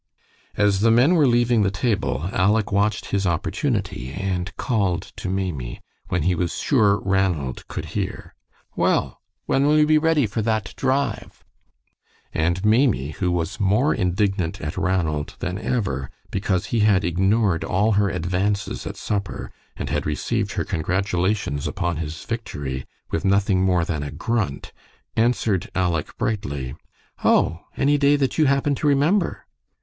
As the men were leaving the table, Aleck watched his opportunity and called to Maimie, when he was sure Ranald could hear, "Well, when will you be ready for that drive?" And Maimie, who was more indignant at Ranald than ever because he had ignored all her advances at supper, and had received her congratulations upon his victory with nothing more than a grunt, answered Aleck brightly. "Oh, any day that you happen to remember."